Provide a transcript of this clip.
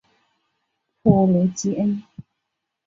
普卢吉恩。